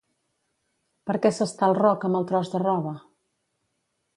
Per què s'està al roc amb el tros de roba?